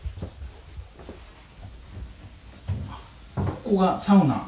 「ここがサウナ？」